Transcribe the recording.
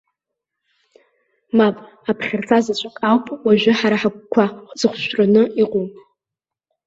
Мап, аԥхьарца заҵәык ауп уажәы ҳара ҳагәқәа зыхәшәтәраны иҟоу!